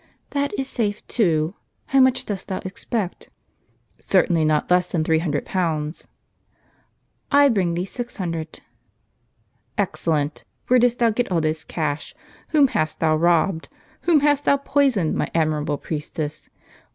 That is safe too. How much dost thou expect? "" Certainly not less than three hundred pounds."* " I bring thee six hundred." "Excellent! where didst thou get all this cash? Whom hast thou robbed ? whom hast thou poisoned, my admirable priestess